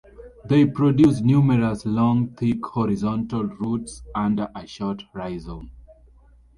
They produce numerous, long, thick, horizontal roots under a short rhizome.